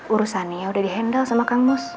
urusannya udah di handle sama kang mus